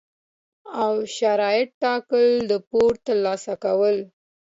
او شرایط ټاکل، د پور ترلاسه کول،